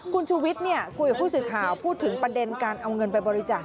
คุณชูวิทย์คุยกับผู้สื่อข่าวพูดถึงประเด็นการเอาเงินไปบริจาค